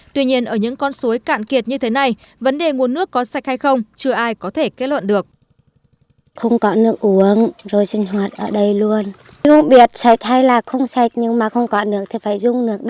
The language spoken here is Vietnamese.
tuy nhiên ở những con suối cạn kiệt như thế này vấn đề nguồn nước có sạch hay không chưa ai có thể kết luận được